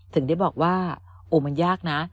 ถึงได้บอกว่าโอ้มันยากนะ